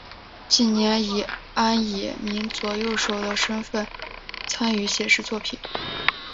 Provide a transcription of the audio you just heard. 近年以庵野秀明左右手的身份参与写实作品。